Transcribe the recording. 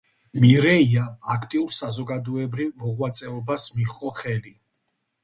მირეიამ აქტიურ საზოგადოებრივ მოღვაწეობას მიჰყო ხელი.